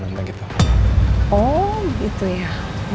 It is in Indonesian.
oh gitu ya